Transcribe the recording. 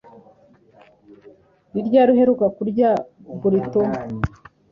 Ni ryari uheruka kurya burrito?